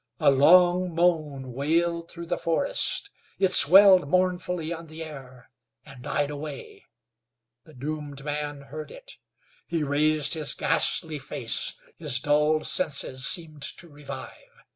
A long moan wailed through the forest. It swelled mournfully on the air, and died away. The doomed man heard it. He raised his ghastly face; his dulled senses seemed to revive.